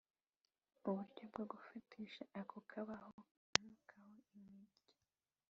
Uburyo bwo gufatisha ako kabaho kamanukaho imirya